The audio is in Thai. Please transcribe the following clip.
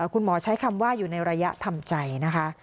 คุณหมอใช้คำว่าอยู่ในระยะทำใจนะคะ